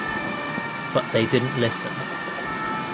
But they didn't listen.